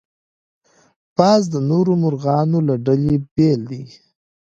باز د نورو مرغانو له ډلې بېل دی